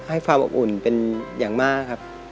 ให้ความอบอุ่นเป็นอย่างมากครับ